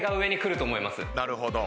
なるほど。